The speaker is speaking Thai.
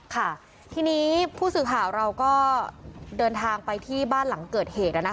ค่ะทีนี้ผู้สื่อข่าวเราก็เดินทางไปที่บ้านหลังเกิดเหตุ